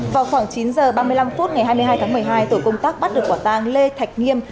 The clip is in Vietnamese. vào khoảng chín h ba mươi năm phút ngày hai mươi hai tháng một mươi hai tổ công tác bắt được quả tàng lê thạch nghiêm